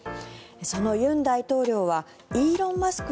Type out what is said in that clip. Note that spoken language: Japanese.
その尹大統領はイーロン・マスク